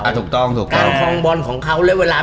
ถูกต้องถูกต้องคลองบอลของเขาและเวลา